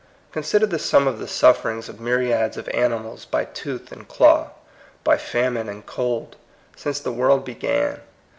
Consider the sum of the sufferings of myriads of animals by tooth and claw, by famine and cold, since the world began.